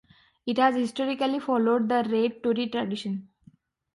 It has historically followed the Red Tory tradition.